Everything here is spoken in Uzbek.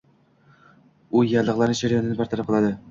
U yallig'lanish jarayonini bartaraf qiladi.